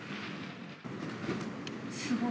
すごい。